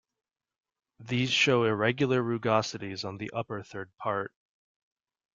These show irregular rugosities on the upper third part.